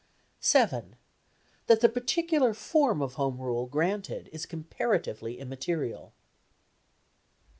7. That the particular form of Home Rule granted is comparatively immaterial.